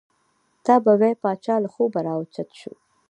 تا به وې پاچا له خوبه را او چت شو.